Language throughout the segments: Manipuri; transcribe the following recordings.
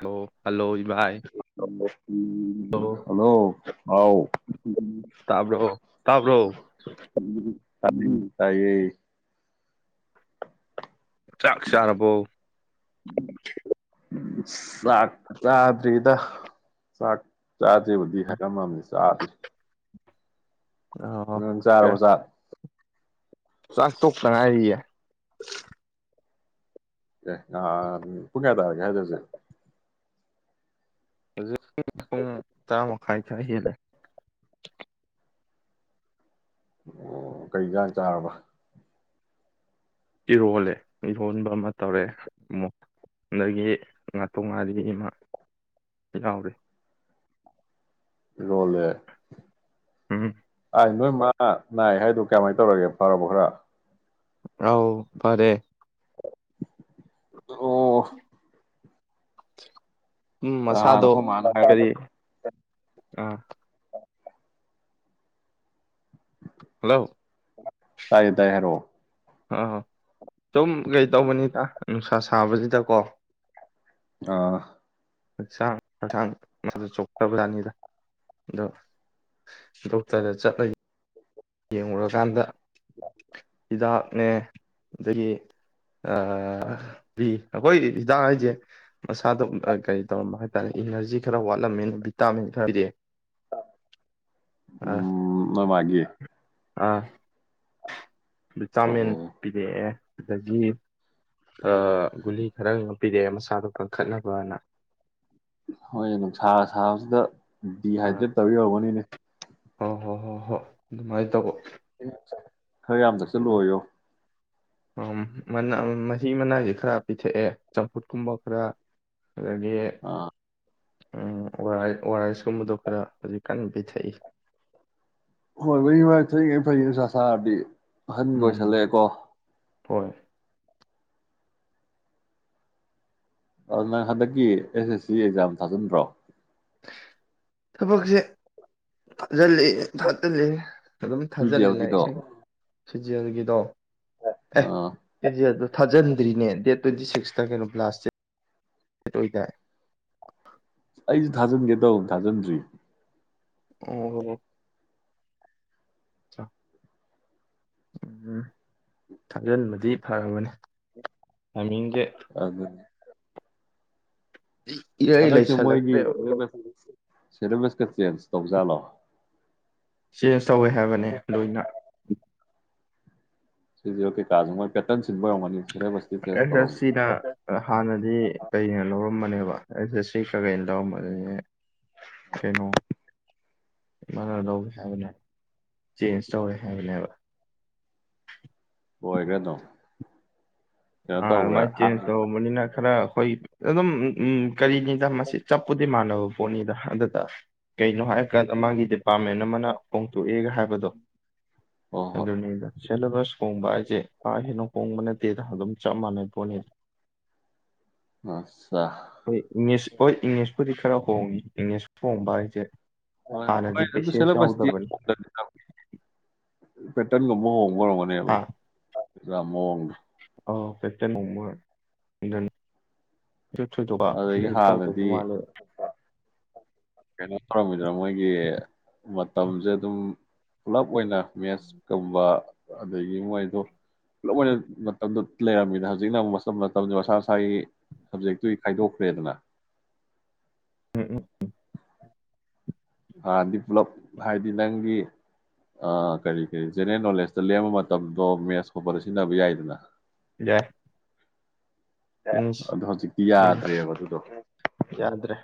ꯍꯜꯂꯣ ꯍꯜꯂꯣ ꯏꯚꯥꯏ ꯍꯜꯂꯣ ꯎꯝ ꯍꯜꯂꯣ ꯑꯥꯎ ꯇꯥꯕ꯭ꯔꯣ ꯇꯥꯕ꯭ꯔꯣ ꯇꯥꯢꯌꯦ ꯇꯥꯢꯌꯦ ꯆꯥꯛ ꯆꯥꯔꯕꯣ ꯆꯥꯛ ꯆꯥꯗ꯭ꯔꯤꯗ ꯆꯥꯛ ꯆꯥꯖꯦꯕꯨꯗꯤ ꯍꯥꯏꯔꯝꯃꯕꯅꯤ ꯆꯥꯗ꯭ꯔꯤ ꯑꯣ ꯎꯝ ꯑꯣꯀꯦ ꯆꯥꯔꯕꯣ ꯆꯥꯛ ꯆꯥꯛ ꯇꯣꯛꯇ ꯉꯥꯏꯔꯤꯌꯦ ꯑꯦ ꯑ ꯀꯨ ꯀꯌꯥ ꯊ ꯌꯥꯦꯗꯁꯦ ꯇꯥꯃ ꯈꯥꯏ ꯈꯔ ꯍꯦꯂꯦ ꯑꯣ ꯀꯩꯖꯥꯡ ꯆꯥꯔꯕ ꯏꯔꯣꯜꯂꯦ ꯏꯔꯣꯟꯕ ꯑꯃ ꯇꯧꯔꯑꯦ ꯑꯃ ꯑꯗꯒꯤ ꯉꯥꯇꯣꯛ ꯉꯥꯔꯤ ꯑꯃ ꯌꯥꯎꯔꯤ ꯏꯔꯣꯜꯂꯦ ꯎꯝ ꯑ ꯅꯣꯏ ꯃꯥ ꯅꯥꯏ ꯍꯥꯏꯗꯣ ꯀꯃꯥꯏꯅ ꯇꯧꯔꯒꯦ ꯐꯥꯎꯔꯕ ꯈꯔ ꯑꯥꯎ ꯐꯔꯦ ꯑꯣ ꯎꯝ ꯅꯍꯥꯟ ꯃꯁꯥꯗꯣ ꯑꯈꯣꯢ ꯃꯥꯅ ꯍꯥꯏ ꯀꯔꯤ ꯑꯥ ꯍꯜꯂꯣ ꯇꯥꯏꯌꯦ ꯇꯥꯢꯌꯦ ꯍꯥꯢꯔꯛꯔꯣ ꯑ ꯁꯨꯝ ꯀꯩ ꯇꯧꯕꯅꯤꯗ ꯅꯨꯡꯁꯥ ꯁꯥꯕꯁꯤꯗꯀꯣ ꯑꯥ ꯍꯛꯆꯥꯡ ꯍꯛꯁꯥꯡ ꯃꯥꯁꯨ ꯆꯣꯛꯈ꯭ꯔꯕꯖꯥꯠꯅꯤꯗ ꯑꯗꯣ ꯗꯣꯛꯇꯔꯗ ꯆꯠꯂꯒ ꯌꯦꯡꯨꯔꯀꯥꯟꯗ ꯍ ꯍꯤꯗꯥꯛꯅꯦ ꯑꯗꯒꯤ ꯑ ꯕꯤ ꯑꯩꯈꯣꯏ ꯍꯤꯗꯥꯛ ꯍꯥꯏꯁꯦ ꯃꯁꯥꯗ ꯀꯔꯤ ꯇꯧꯔꯝꯕ ꯍꯥꯏꯇꯥꯔꯦ ꯏꯅꯔꯖꯤ ꯈꯔ ꯋꯥꯠꯂꯝꯃꯦꯅ ꯚꯤꯇꯥꯃꯤꯟ ꯈꯔ ꯄꯤꯔꯛꯑꯦ ꯎꯝ ꯅꯣꯢꯃꯥꯒꯤ [inaudible] ꯑꯥ ꯑꯗꯨ ꯑꯣ ꯆꯥꯃꯤꯟ ꯑꯣ ꯄꯤꯔꯛꯑꯦ ꯗꯒꯤ ꯑꯒꯨ ꯈꯔ ꯄꯤꯔꯛꯑꯦ ꯃꯁꯥꯗꯣ ꯀꯟꯈꯠꯅꯕꯅ ꯍꯣꯏ ꯑꯗꯨꯝ ꯁꯥꯔ ꯁꯥꯕꯁꯤꯗ ꯗꯤ ꯍꯥꯏꯗꯤꯦꯠ ꯇꯧꯤꯔꯧꯕꯅꯤꯅꯦ ꯍ ꯍꯣꯏ ꯍꯣ ꯍꯣꯏ ꯑꯗꯨꯃꯥꯏꯅ ꯇꯧꯕ [inaudible] ꯈꯔ ꯌꯥꯝꯗꯛ ꯑꯗꯣ ꯆꯠꯂꯣꯏꯌꯣ ꯃꯍꯤ ꯃꯅꯥꯏꯁꯦ ꯈꯔ ꯄꯤꯊꯛꯑꯦ ꯆꯝꯐꯨꯠꯀꯨꯝꯕ ꯈꯔ ꯑꯗꯨꯗꯒꯤꯗꯒꯤ ꯑꯥ ꯎ ꯑꯣꯔꯥꯏꯁꯀꯨꯝꯕꯗꯣ ꯈꯔ ꯍꯧꯖꯤꯛ ꯀꯟꯅ ꯄꯤꯊꯛꯏ ꯍꯣꯏ ꯋꯥꯔꯤ ꯋꯥ ꯐꯉꯩ ꯐꯩ ꯁ ꯁꯥꯔꯗꯤ ꯑꯍꯟꯒ ꯑꯣꯏꯁꯜꯂꯛꯑꯦꯀꯣ ꯍꯣꯏꯣꯏ ꯅꯪ ꯍꯟꯗꯛꯀꯤ ꯑꯦꯁ ꯑꯦꯁ ꯁꯤ ꯑꯦꯛꯖꯥꯝ ꯊꯥꯖꯤꯟꯕ꯭ꯔꯣ ꯊꯕꯛꯁꯦ ꯊꯥꯖꯤꯜꯂꯤ ꯊꯥꯖꯤꯜꯂꯤ ꯑꯗꯨꯝ ꯁꯤ ꯖꯤ ꯊꯥꯖꯤꯂꯦ ꯑꯦꯜꯒꯤꯗꯣ ꯂꯥꯏꯁꯤꯡ ꯁꯤꯖꯦꯜꯒꯤꯗꯣ ꯑꯥ ꯑꯦꯗ ꯊꯥꯖꯟ ꯭ꯔꯤꯅꯦ ꯗꯦꯠ ꯇ꯭ꯋꯦꯟꯇꯤ ꯁꯤꯛꯁꯇ ꯀꯩꯅꯣꯥꯁ ꯑꯣꯏ ꯑꯩꯁꯨ ꯊꯥꯖꯤꯟꯒꯦ ꯇꯧꯕ ꯊꯥꯖꯤꯟꯗ꯭ꯔꯤ ꯑꯣ ꯍ ꯎꯝ ꯊꯥꯖꯤꯟꯕꯗꯤ ꯐꯒꯅꯤꯃꯤꯡ ꯑꯗꯨ ꯏꯔꯩ ꯑꯗꯁ ꯃꯣꯏꯒꯤ ꯂꯩꯁꯜꯂꯛꯇ꯭ꯔꯦꯕ ꯁꯦꯂꯦꯕꯁꯀ ꯆꯦꯟꯖ ꯇꯧꯖꯥꯜꯂꯣ ꯁꯤꯦꯦ ꯇꯧꯋꯦ ꯍꯥꯏꯕꯅꯦ ꯂꯣꯏꯅ ꯁꯤꯦ ꯀꯥꯖꯃ ꯄꯦꯇꯟ ꯑꯦꯗꯁ꯭ꯔꯦꯁꯁꯤꯅ ꯍꯥꯟꯅꯗꯤ ꯀꯩꯅꯣ ꯂꯧꯔꯝꯕꯅꯦꯕ ꯑꯦꯗꯁ꯭ꯔꯦꯁꯁꯤ ꯈꯒꯩꯅ ꯂꯧꯔꯝꯕꯗꯨꯅꯤ ꯀꯩꯅꯣ ꯃꯅ ꯂꯧꯒꯦ ꯍꯥꯏꯕꯅꯦ ꯆꯦꯟꯖ ꯇꯧꯋꯦ ꯍꯥꯏꯕꯅꯦꯕ ꯍꯣꯏꯒꯗꯣ ꯑꯥ ꯃꯥꯥꯏ ꯆꯦ ꯃꯅꯤꯅꯥ ꯈꯔ ꯍꯣꯏ ꯑꯗꯨ ꯑꯗꯨꯝ ꯎꯝ ꯀꯔꯤꯅꯤꯗ ꯃꯁꯤ ꯆꯞꯄꯨꯗꯤ ꯃꯥꯟꯅꯕ ꯄꯣꯠꯅꯤꯗ ꯑꯗ ꯀꯩꯅꯣ ꯍꯥꯏꯔ ꯀꯥꯟꯗ ꯃꯥꯒꯤꯗꯤ ꯄꯥꯔꯃꯦꯟ ꯑꯃꯅ ꯍꯣꯡꯇꯣꯛꯑꯦꯒ ꯍꯥꯏꯕꯗꯣ ꯍꯣꯏ ꯍꯣꯏ ꯑꯗꯨꯅꯤꯗ ꯁꯦꯂꯦꯕꯁ ꯍꯣꯡꯕ ꯍꯥꯏꯁꯦ ꯀꯥ ꯍꯦꯟꯅꯣ ꯍꯣꯡꯕ ꯑꯗꯨꯝ ꯆꯥ ꯃꯅ ꯄꯅꯤꯔ ꯑꯆꯥ ꯏꯪꯂꯤꯁ ꯍꯣꯏ ꯏꯪꯂꯤꯁꯄꯨꯗꯤ ꯈꯔ ꯍꯣꯡꯏꯤ ꯏꯪꯅꯦꯁꯨ ꯐꯣꯡꯕ ꯑꯩꯁꯦ ꯍꯣꯏ ꯍꯣꯏ ꯍꯥꯟꯅꯗꯤꯗꯤ ꯑꯗꯨ ꯁꯦꯂꯦꯕꯁꯇꯤ ꯄꯦꯁꯦꯁꯨꯥꯎꯖꯕꯅꯤ ꯄꯦꯇꯅ ꯉꯃꯣꯡ ꯃꯔꯣꯔ ꯃꯅꯤꯕ ꯃꯑꯣꯣꯡ ꯑ ꯐꯦꯇ ꯃꯃ ꯊꯨꯗꯕ ꯑꯗꯒꯤ ꯀ ꯇꯧꯗꯕ ꯍꯥꯟꯅꯗꯤ ꯃꯥꯜꯂꯦꯕ ꯀꯩꯅꯣ ꯇꯧꯔꯝꯃꯤꯗꯅ ꯃꯣꯏꯒꯤ ꯃꯇꯝꯁꯦ ꯑꯗꯨꯝ ꯄꯨꯂꯞ ꯑꯣꯏꯅ ꯁꯀꯕ ꯑꯗꯨꯗꯒꯤ ꯃꯣꯏꯗꯣ ꯄꯨꯂꯞ ꯑꯣꯏꯅ ꯃꯇꯝꯗꯨ ꯂꯩꯔꯝꯃꯤꯗ ꯍꯧꯖꯤꯛꯅ ꯑꯃꯨꯛ ꯃꯇꯝ ꯃꯇꯝꯗꯨ ꯃꯁꯥ ꯃꯁꯥꯒꯤ ꯁꯕꯖꯦꯛꯇꯨꯒꯤ ꯈꯥꯏꯗꯣꯛꯈ꯭ꯔꯦꯗꯅ ꯎꯝ ꯎꯝ ꯑ ꯄꯨꯂꯞ ꯍꯥꯏꯗꯤ ꯅꯪꯒꯤ ꯑꯥ ꯀꯔꯤ ꯀꯔꯤ ꯖꯦꯅꯔꯦꯜ ꯅꯣꯂꯦꯖꯇ ꯂꯦꯝꯝꯕ ꯃꯇꯝꯗꯣ ꯃꯦꯠꯁ ꯈꯣꯄꯗ ꯁꯤꯖꯤꯟꯅꯕ ꯌꯥꯏꯗꯅ ꯌꯥꯏ ꯗ ꯏꯪꯂꯤꯁ ꯆ ꯀ ꯌꯥ ꯎꯝ ꯇꯔ ꯑꯗꯨꯗ ꯌꯥꯗ꯭ꯔꯦ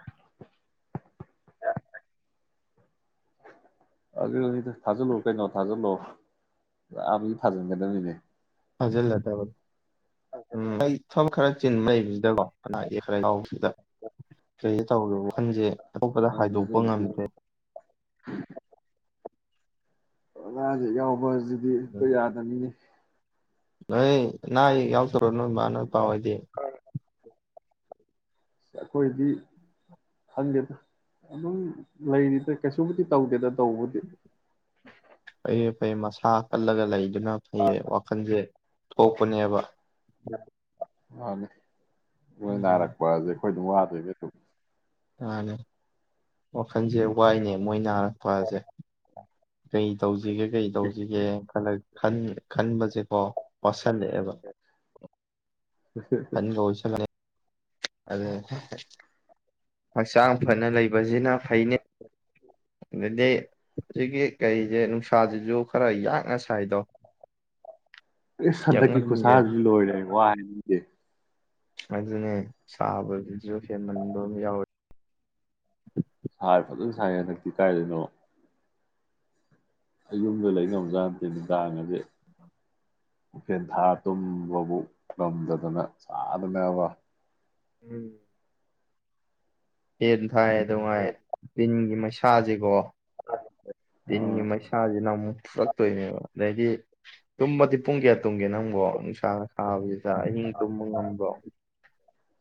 ꯌꯥ ꯑꯗꯨ ꯊꯥꯖꯤꯜꯂꯎ ꯀꯩꯅꯣ ꯊꯥꯖꯤꯜꯂꯛꯎ ꯑꯥ ꯊꯥꯖꯤꯟꯒꯗꯕꯅꯤꯅꯦ ꯍꯖꯤꯜ ꯂ ꯇꯕ ꯎ ꯏ ꯊꯝ ꯈꯔ ꯆꯤꯟ ꯃꯩꯕꯁꯤꯗꯀꯣ ꯀꯅꯥꯒꯤ ꯈꯔꯒꯥꯎꯁꯤꯗ ꯀꯔꯤꯗ ꯇꯧꯔꯤꯒꯦ ꯋꯥꯈꯟꯁꯦ ꯑꯇꯣꯞꯄꯗ ꯑꯗꯨꯅꯤ ꯍꯥꯏꯗꯣꯛꯄ ꯑꯗꯨꯕꯨꯗꯤ ꯉꯝꯗ꯭ꯔꯦ ꯑꯣꯒ ꯍꯣꯏꯖꯤꯗꯤꯣꯏ ꯌꯥꯗꯅꯤꯅꯦ ꯅꯣꯏ ꯅ ꯨꯔꯅ ꯃ ꯄꯋꯥꯗꯤ ꯑꯩꯈꯣꯏꯗꯤ ꯈꯪꯒꯦꯗ ꯑꯗꯨꯝ ꯂꯩꯔꯤꯗ ꯀꯩꯁꯨꯃꯗꯤ ꯇꯧꯗꯦꯗ ꯇꯧꯧꯕꯗꯤ ꯑꯩꯣꯏ ꯃꯁꯥ ꯀꯜꯂꯒ ꯂꯩꯗꯨꯅ ꯐꯩꯌꯦ ꯋꯥꯈꯜꯁꯦ ꯊꯣꯛꯄꯅꯦꯕ ꯑꯦ ꯂꯣꯏ ꯎꯝ ꯅꯥꯔꯛꯄꯁꯦ ꯑꯩꯈꯣꯏ ꯑꯗꯨꯝ ꯋꯥꯗꯣꯏ ꯃꯥꯅꯦ ꯋꯥꯈꯜꯁꯦ ꯋꯥꯏꯅꯦ ꯃꯣꯏꯅꯔ ꯐꯖꯦ ꯀꯩ ꯁꯤꯒꯦ ꯀꯩ ꯇꯧꯁꯤꯒꯦꯅ ꯈꯜꯂꯒꯦ ꯈꯟꯕꯁꯦꯀꯣ ꯄꯁ ꯁꯟꯗꯦꯕ ꯀꯅꯤ ꯀꯣꯜꯁ ꯑꯗꯦ ꯍꯛꯆꯥꯡ ꯐꯅ ꯂꯩꯕꯁꯤꯅ ꯐꯩꯅꯤ ꯑꯗꯨꯗꯒꯤ ꯍꯧꯖꯤꯛꯀꯤ ꯀꯩꯁꯦ ꯅꯨꯡꯁꯥꯁꯤꯁꯨ ꯈꯔ ꯌꯥꯡꯅ ꯁꯥꯏꯗꯣ ꯑꯩ ꯁꯗꯛꯀꯤ ꯌꯥꯛꯃꯟꯒꯦꯗ ꯈꯨꯨꯁꯍꯥꯁꯒꯤ ꯂ ꯍꯥꯏ ꯋꯥꯗꯦ ꯑꯗꯨꯅꯦ ꯁꯥꯕꯗꯨꯁꯨ ꯍꯦꯟꯃꯟꯕ ꯑꯃ ꯌꯥꯎꯋꯤ ꯁꯥꯔ ꯐꯖꯅ ꯁꯥꯏꯉꯦ ꯍꯟꯗꯛꯇꯤ ꯀꯥꯏꯗꯣꯏꯅꯣ ꯑꯩ ꯌꯨꯝꯗ ꯂꯩꯅꯕꯖꯥꯠꯠꯇꯦ ꯅꯨꯡꯗꯥꯡꯉꯗꯤ ꯎꯐꯦꯟ ꯊꯥ ꯇꯨꯝꯕꯕꯨ ꯉꯝꯗꯗꯅ ꯆꯥꯗꯅꯕ ꯎꯝ ꯍꯦꯟ ꯊꯥꯏ ꯅꯨꯡꯉꯥꯏ ꯒꯤ ꯃꯩꯁꯁꯤꯦꯀꯣ ꯑ ꯁꯤꯟꯅꯤ ꯃꯥꯏ ꯁꯖꯤ ꯅ ꯑꯃꯨ ꯐꯨꯔꯛꯇꯣꯏꯅꯦꯕ ꯑꯗꯩꯗꯤ ꯇꯨꯝꯃꯗꯤ ꯄꯨꯡ ꯀꯌꯥ ꯇꯨꯝꯒꯦ ꯅꯪꯨꯀꯣ ꯅꯨꯡꯁꯥ ꯁꯥꯕꯁꯤꯗ ꯑꯍꯤꯡ ꯇꯨꯝꯕ ꯉꯝꯕ꯭ꯔꯣ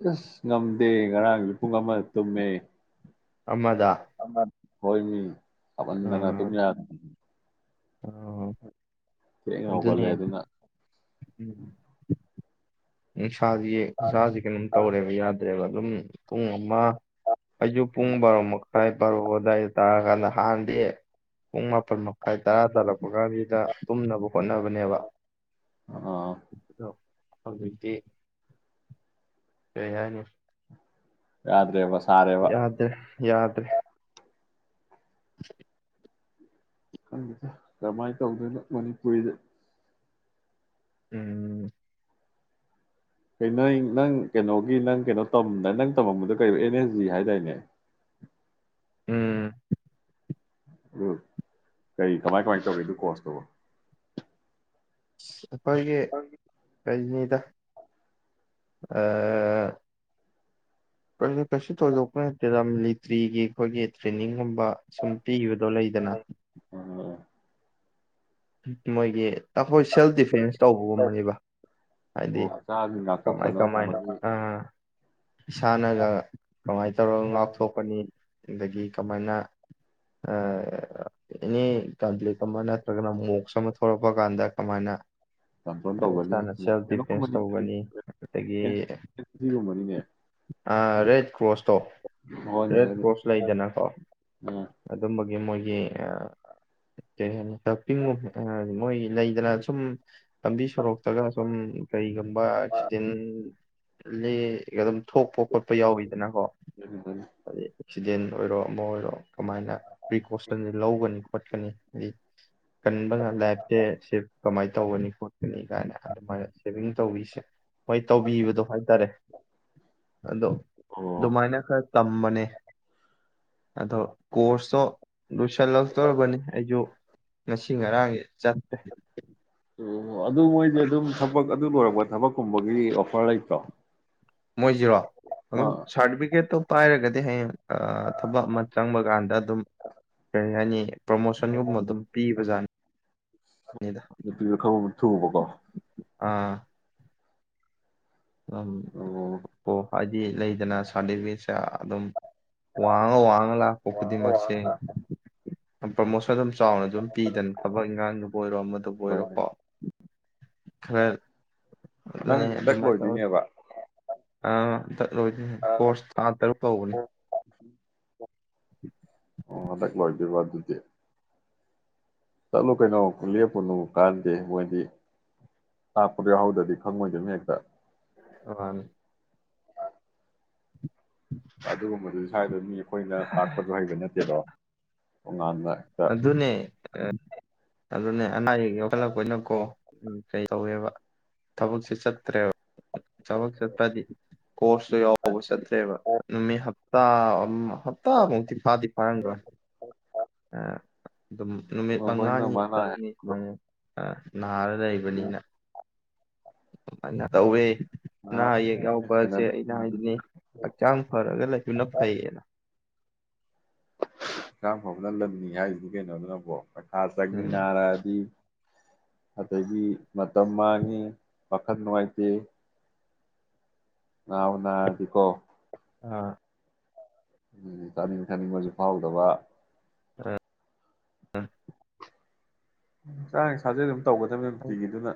ꯑꯁ ꯉꯝꯗꯦ ꯉꯔꯥꯡ ꯄꯨꯡ ꯑꯃ ꯇꯨꯝꯃꯦ ꯑꯃꯗ ꯍꯣꯏꯅꯤ ꯑꯗꯅ ꯇ ꯑ ꯀꯀꯜꯂꯦ ꯑꯗꯨ ꯑꯗꯨꯅ ꯑꯦ ꯁꯥꯁꯤ ꯁꯥꯁꯤ ꯀꯩꯅꯣꯝ ꯇꯧꯔꯦꯕ ꯌꯥꯗꯦ ꯑꯗꯨꯒ ꯑꯗꯨꯝ ꯄꯨꯡ ꯑꯃ ꯑꯌꯨꯛ ꯄꯨꯡ ꯕꯥꯔꯣꯃꯨꯛ ꯈꯥꯏ ꯄꯥꯔꯛ ꯑꯗꯥꯋꯥꯏꯗ ꯇꯥꯔꯀꯥꯟꯗ ꯍꯥꯟꯅꯗꯤ ꯄꯨꯡ ꯃꯥꯄꯟ ꯃꯈꯥꯏ ꯇꯔꯥ ꯇꯥꯜꯂꯛꯄ ꯀꯥꯟꯁꯤꯗ ꯇꯨꯝꯅꯕ ꯍꯣꯠꯅꯕꯅꯦꯕ ꯑꯥ ꯑꯛꯇꯗꯤ ꯌꯥꯅ ꯌꯥꯗ꯭ꯔꯦꯕꯁ ꯌꯥꯗ꯭ꯔꯦ ꯌꯥꯗ꯭ꯔꯦ [unintelligible] ꯈꯪꯗꯦꯗ ꯀꯔꯃꯥꯏ ꯇꯧꯗꯣꯏꯅꯣ ꯃꯅꯤꯄꯨꯔꯤꯗ ꯎꯝ ꯀꯩ ꯅꯪ ꯅꯪ ꯀꯦꯅꯣꯒꯤ ꯅꯪ ꯀꯦꯅꯣ ꯇꯝꯗꯥ ꯅꯪ ꯇꯝꯃꯝꯕꯗꯨ ꯀꯩꯕ ꯑꯦꯝ ꯑꯦꯁ ꯖꯤ ꯍꯥꯏꯗꯥꯏꯅꯦ ꯎꯝ ꯒꯨꯠ ꯀꯔꯤ ꯀꯃꯥꯏ ꯀꯃꯥꯏ ꯇꯧꯒꯦ ꯑꯗꯨ ꯀꯣꯔꯁꯇꯨꯕꯣ [unintelligible] ꯈꯣꯏꯒꯤ ꯑ, ꯔꯖꯅꯤꯗ ꯑꯥ [unintelligible] ꯀꯩꯁꯨ ꯊꯣꯏꯗꯣꯛꯄ ꯅꯠꯇꯦꯗ ꯃꯤꯂꯤꯇ꯭ꯔꯤꯒꯤ ꯈꯣꯏꯒꯤ ꯇ꯭ꯔꯦꯅꯤꯡꯒꯨꯝꯕ ꯁꯨꯝ ꯄꯤꯒꯤꯕꯗꯣ ꯂꯩꯗꯅ ꯃꯣꯏꯒꯤ ꯇꯈꯣꯏ ꯁꯦꯜꯐ ꯗꯤꯐꯦꯟꯁ ꯇꯧꯕꯒꯨꯝꯕꯅꯤꯕ ꯍꯥꯏꯗꯤ ꯑꯣ ꯍꯛꯆꯥꯡ ꯀꯃꯥꯏ ꯀꯃꯥꯏꯅ ꯉꯥꯛꯊꯣꯛꯆꯅꯕꯒꯨꯝꯕꯒꯤ ꯑ ꯏꯁꯥꯅꯒ ꯀꯃꯥꯏ ꯇꯧꯔ ꯉꯥꯛꯊꯣꯛꯀꯅꯤ ꯑꯗꯒꯤ ꯀꯃꯥꯏꯅ ꯑꯥ ꯑꯦꯅꯤ ꯀꯟꯐꯂꯤꯛ ꯑꯃ ꯅꯠꯇ꯭ꯔꯒꯅ ꯃꯣꯛꯁ ꯑꯃ ꯊꯣꯛꯂꯛꯄ ꯀꯥꯟꯗ ꯀꯃꯥꯏꯅ ꯀꯟꯇ꯭ꯔꯣꯜ ꯇꯧꯒꯅꯤ ꯏꯁꯥꯅ ꯁꯦꯜꯐ ꯗꯤꯐꯦꯟꯁ ꯀꯩꯅꯣꯒꯨꯝꯕꯅꯤ ꯇꯧꯒꯅꯤ ꯑꯗꯒꯤ ꯑꯦ ꯁꯤꯒꯨꯝꯕꯅꯤꯅꯦ ꯑꯥ ꯔꯦꯠ ꯀ꯭ꯔꯣꯁꯇꯣ ꯍꯣꯏꯅꯦ ꯔꯦꯠ ꯍꯣꯏꯅꯦ ꯀ꯭ꯔꯣꯁ ꯂꯩꯗꯅꯀꯣ ꯑꯗꯨꯝꯕꯒꯤ ꯃꯣꯏꯒꯤ ꯑꯥ ꯀꯔꯤ ꯍꯥꯏꯅꯤ ꯄꯤꯡꯒꯨꯝ ꯃꯣꯏ ꯂꯩꯗꯅ ꯁꯨꯝ ꯂꯝꯕꯤ ꯁꯣꯔꯣꯛꯇꯒ ꯁꯨꯝ ꯀꯔꯤꯒꯨꯝꯕ ꯑꯦꯛꯁꯤꯗꯦꯟ [unintelligible] ꯊꯣꯛꯄ ꯈꯣꯠꯄ ꯌꯥꯎꯋꯤꯗꯅꯀꯣ ꯑꯥ ꯑꯗꯩꯩ ꯁꯤꯗꯦꯟ ꯑꯣꯏꯔꯣ ꯑꯃ ꯑꯣꯏꯔꯣ ꯀꯃꯥꯏꯅ ꯄ꯭ꯔꯤꯀꯣꯁꯟ ꯂꯧꯒꯅꯤ ꯐꯠꯀꯅꯤ ꯀꯟꯕꯅ ꯂꯥꯏꯐꯇꯦ ꯁꯦꯚ ꯀꯃꯥꯏ ꯇꯧꯒꯅꯤ ꯈꯣꯠꯀꯅꯤ ꯀꯥꯏꯅ ꯑꯗꯨꯃꯥꯏꯅ ꯁꯦꯚꯤꯡ ꯇꯧꯕꯤꯁꯦ ꯍꯣꯏ ꯇꯧꯕꯤꯕꯗꯣ ꯍꯥꯏ ꯇꯔꯦ ꯑꯗꯣ ꯑꯣ ꯑꯗꯨꯃꯥꯏꯅ ꯈꯔ ꯇꯝꯕꯅꯦ ꯑꯗꯣ ꯀꯣꯔꯁꯇꯣ ꯂꯣꯏꯁꯜꯂꯛꯇꯣꯔꯕꯅꯤ ꯑꯩꯖꯨ ꯉꯁꯤ ꯉꯔꯥꯡꯖꯦ ꯆꯠꯇꯦ ꯑꯣ ꯑꯗꯨ ꯃꯣꯏꯗꯤ ꯑꯗꯨꯝ ꯊꯕꯛ ꯑꯗꯨ ꯂꯣꯏꯔꯛꯄ ꯊꯕꯛꯀꯨꯝꯕꯒꯤ ꯑꯣꯐꯔ ꯂꯩꯇ꯭ꯔꯣ ꯃꯣꯏꯖꯤꯔꯣ ꯑꯗꯨꯝ ꯑꯥ ꯁꯥꯔꯗꯤꯕꯤꯒꯦꯠꯇꯣ ꯄꯥꯏꯔꯒꯗ ꯗꯤ ꯍꯌꯦꯡ ꯑꯥ ꯊꯕꯛ ꯑꯃ ꯆꯪꯕ ꯒꯥꯟꯗ ꯑꯗꯨꯝ ꯀꯔꯤ ꯍꯥꯏꯅꯤ ꯄ꯭ꯔꯣꯃꯣꯁꯟꯒꯨꯝ ꯑꯗꯨꯝ ꯄꯤ [unintelligible] [unintelligible] ꯊꯨꯕꯀꯣ ꯑꯥ ꯑꯝ ꯑꯣ ꯑꯣ [unintelligible] ꯂꯩꯗꯅ ꯁꯥꯔꯇꯤꯐꯤꯀꯦꯠꯁꯦ ꯑꯗꯨꯝ ꯋꯥꯉ ꯋꯥꯉ ꯂꯥ ꯄ ꯈꯨꯗꯤ ꯃꯁꯤꯦ ꯭ꯔꯃꯣ ꯑꯗꯨꯝ ꯆꯥꯎꯅ ꯑꯗꯨꯝ ꯄꯤꯗꯅ ꯊꯕꯛ ꯏꯪꯈꯥꯡꯗꯨꯕꯨ ꯑꯣꯏꯔꯣ ꯑꯃꯗꯨꯕꯨ ꯍꯣꯏꯅꯦ ꯑꯣꯏꯔꯣꯀꯣ ꯈꯔ ꯑꯗꯨꯅꯤ ꯅꯪꯒꯤ ꯍꯟꯗꯛ ꯑꯗꯨꯃꯥꯏꯅ ꯇꯧꯋꯤ ꯂꯣꯏꯗꯣꯏꯅꯦꯕ ꯑꯥ ꯑꯣ ꯀꯣꯔꯁ ꯊꯥ ꯇꯔꯨꯛ ꯇꯧꯕꯅꯤ [inaudible] ꯑꯗꯨꯗꯦ ꯆꯠꯂꯨ ꯀꯩꯅꯣ ꯂꯦꯞꯄꯨꯅꯨ ꯀꯥꯟꯗꯦ ꯃꯣꯏꯗꯤ ꯂꯥꯛꯄꯗ ꯌꯥꯎꯍꯧꯗ꯭ꯔꯗꯤ ꯈꯪꯉꯣꯏꯗꯅꯤ ꯍꯦꯛꯇ ꯑꯅꯤ ꯍꯥꯏ ꯑꯗꯨꯝ ꯑꯩꯈꯣꯏꯅ ꯇꯥꯛꯄꯁꯨ ꯍꯩꯕ ꯅꯠꯇꯦꯗꯣ ꯑꯣꯉꯗ ꯑꯗꯨꯅꯦ ꯑ ꯑꯗꯨꯅꯦ ꯑꯌꯦ ꯌꯈꯠꯂꯛꯄꯅ ꯀꯣ ꯎꯝ ꯀꯩ ꯇꯧꯋꯦꯕ ꯊꯕꯛꯁꯦ ꯆꯠꯇ꯭ꯔꯦꯕ ꯊꯕꯛ ꯆꯠꯄꯗꯤ ꯀꯣꯔꯁꯇꯨ ꯌꯥꯎꯕ ꯆꯠꯇꯂ꯭ꯔꯦꯕ ꯅꯨꯃꯤꯠꯞ ꯇ ꯍꯞꯇꯥꯃꯨꯛꯇꯤ ꯐꯥꯗꯤ ꯐꯥꯔꯝꯈꯣꯏ ꯑ ꯑꯗꯨꯝ ꯅꯨꯃꯤꯠ ꯍꯣꯏ ꯅꯣꯏ ꯃꯉꯥꯅꯤ ꯃꯥꯅ ꯇꯔꯨꯛꯅꯤ ꯍꯥꯏꯕꯗꯣ ꯁꯨꯃꯥꯏꯅ ꯑꯥ ꯅꯥꯥꯔ ꯂꯩꯕꯅꯤꯅ ꯃ ꯇꯧꯋꯦ ꯑꯅꯥ ꯑꯌꯦꯛ ꯌꯥꯎꯕꯁꯦ ꯑꯩꯅ ꯍꯥꯏꯗꯨꯅꯤ ꯁꯦꯟꯅꯗ꯭ꯔꯗꯤ ꯍꯛꯆꯥꯡ ꯐꯔꯒ ꯂꯩꯕꯅ ꯐꯩꯌꯦꯅ ꯈꯔꯥꯡ ꯐꯅ ꯂꯝꯅꯤ ꯍꯥꯏꯁꯤꯗꯤ ꯀꯩꯅꯣꯗꯕꯣ ꯄ ꯈꯥ ꯎꯝ ꯁꯃꯤꯅꯔꯥ ꯑꯗꯨ ꯑꯗꯒꯤ ꯃꯇꯝ ꯃꯥꯡꯉꯤ ꯋꯥꯥꯈꯜ ꯅꯨꯡꯉꯥꯏꯇꯦ ꯑꯗꯗꯤꯀꯣ ꯑꯥ ꯎ ꯆꯥꯅꯤꯡꯕ ꯊꯥꯅꯤꯡꯕꯁꯨ ꯐꯥꯎꯗꯕ ꯑꯝ ꯎꯝ ꯆꯥꯡ ꯁꯥꯖꯦ ꯑꯗꯨꯝ ꯇꯧꯒꯗꯕꯅꯤ ꯅꯨꯡꯇꯤꯒꯤ ꯑꯗꯨꯅ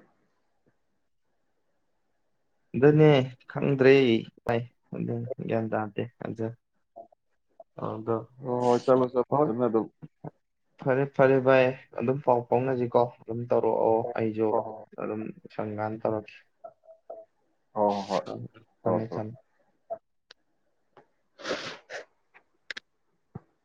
ꯑꯗꯨꯅꯦ ꯈꯪꯗ꯭ꯔꯦ ꯚꯥꯏ ꯑꯗꯨꯅꯤ ꯒ꯭ꯌꯥꯟ ꯇꯥꯗꯦ ꯑꯗꯨ ꯑꯗꯣ ꯍ ꯆꯠꯣ ꯆꯠ ꯍꯣꯏ ꯆ ꯇ ꯐꯔꯦ ꯐꯔꯦ ꯚꯥꯏ ꯑꯗꯨꯝ ꯄꯥꯎ ꯐꯥꯎꯅꯁꯤꯀꯣ ꯑꯗꯨꯝ ꯇꯧꯔꯛꯑꯣ ꯑꯩꯁꯨ ꯍꯣꯏ ꯍꯣꯏ ꯑꯗꯨꯝ ꯁꯪꯀꯥꯟ ꯇꯧꯔꯀꯦ ꯍꯣꯏ ꯍꯣꯏ ꯍꯣꯏ ꯍꯣꯏ ꯁꯃꯦ ꯍꯣꯏ ꯁ